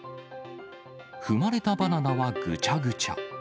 踏まれたバナナはぐちゃぐちゃ。